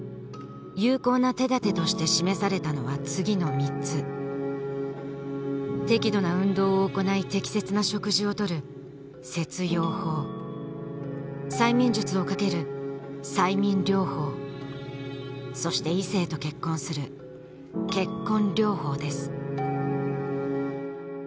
有効な手だてとして示されたのは次の三つ適度な運動を行い適切な食事をとる攝養法催眠術をかける催眠療法そして異性と結婚する結婚療法です